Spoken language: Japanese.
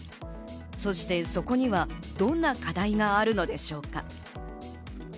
そしてそこにはどんな課題があるのでしょうか？